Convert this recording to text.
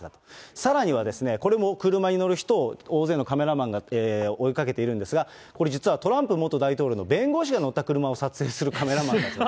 さらにはですね、これも車に乗る人を大勢のカメラマンが追いかけているんですが、これ実はトランプ元大統領の弁護士が乗った車を撮影するカメラマンたち。